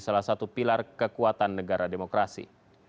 salah satu pilar kekuatan negara demokrasi